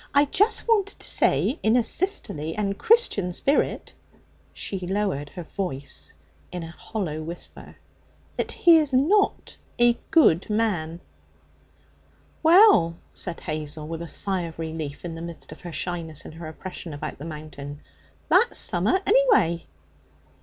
I just wanted to say in a sisterly and Christian spirit' she lowered her voice to a hollow whisper 'that he is not a good man.' 'Well,' said Hazel, with a sigh of relief in the midst of her shyness and her oppression about the mountain, 'that's summat, anyway!'